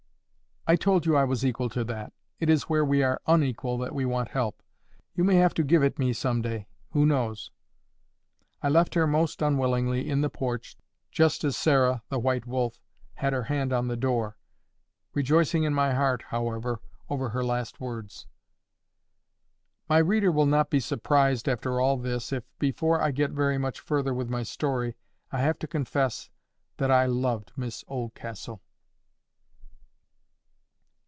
"I told you I was equal to that. It is where we are unequal that we want help. You may have to give it me some day—who knows?" I left her most unwillingly in the porch, just as Sarah (the white wolf) had her hand on the door, rejoicing in my heart, however, over her last words. My reader will not be surprised, after all this, if, before I get very much further with my story, I have to confess that I loved Miss Oldcastle.